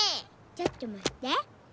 ちょっとまって。